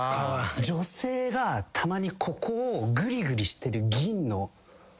女性がたまにここをグリグリしてる銀のやつ。